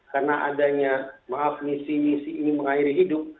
karena adanya maaf misi misi ini mengairi hidup